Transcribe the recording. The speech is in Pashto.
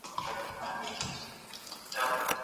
که انلاین درس وي نو خلګ نه وروسته کیږي.